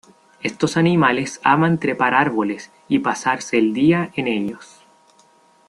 Estos animales aman trepar árboles y pasarse el día en ellos.